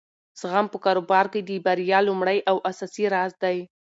زغم په کاروبار کې د بریا لومړی او اساسي راز دی.